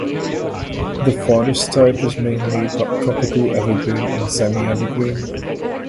The forest type is mainly tropical evergreen and semi evergreen.